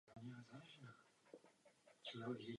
Je pohřben na městském hřbitově v Žilině.